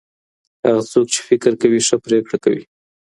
هغه څوک چي فکر کوي، ښه پرېکړه کوي.